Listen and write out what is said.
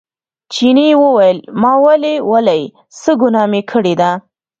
چیني وویل ما ولې ولئ څه ګناه مې کړې ده.